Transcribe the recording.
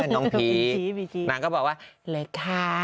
น้องพีชนางก็บอกว่าเลยค่ะ